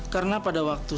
karena pada waktu